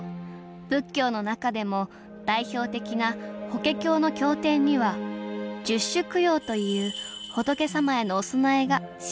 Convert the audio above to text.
仏教の中でも代表的な「法華経」の経典には「十種供養」という仏様へのお供えが記されているそうです